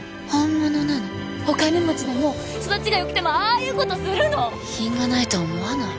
お金持ちでも育ちが良くてもああいうことするの。品がないと思わない？